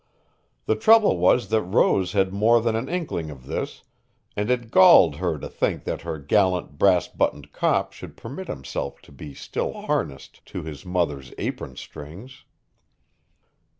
The trouble was that Rose had more than an inkling of this, and it galled her to think that her gallant brass buttoned cop should permit himself to be still harnessed to his mother's apron strings.